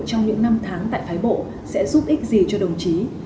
trong những năm tháng tại phái bộ sẽ giúp ích gì cho đồng chí